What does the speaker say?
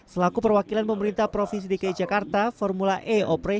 selaku perwakilan pemerintah provinsi dki jakarta formula e operations atau fao dan bagi kami